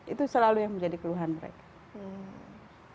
itu selalu yang menjadi keluhan mereka